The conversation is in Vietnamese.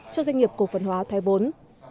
cho doanh nghiệp cổ phần hóa thoái vốn